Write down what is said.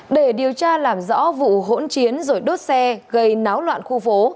để điều tra làm rõ vụ hỗn chiến rồi đốt xe gây náo loạn khu phố